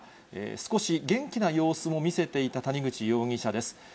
少し元気な様子も見せていた谷口容疑者です。